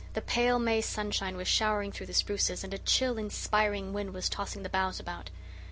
The pale May sunshine was showering through the spruces, and a chill, inspiring wind was tossing the boughs about.